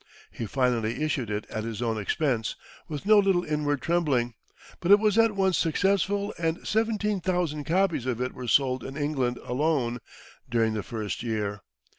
He finally issued it at his own expense, with no little inward trembling, but it was at once successful and seventeen thousand copies of it were sold in England alone during the first year.